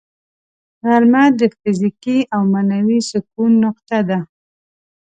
غرمه د فزیکي او معنوي سکون نقطه ده